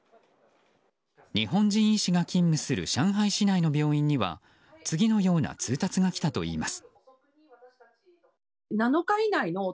日本人医師が勤務する上海市内の病院には次のような通達が来たといいます。